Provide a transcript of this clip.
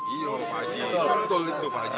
iya pak ji betul itu pak ji